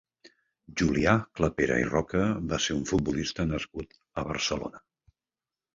Julià Clapera i Roca va ser un futbolista nascut a Barcelona.